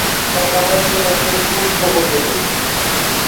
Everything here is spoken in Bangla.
তার বাবা ছিলেন একজন পুর প্রকৌশলী।